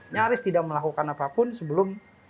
nyaris tidak melakukan apapun sebelum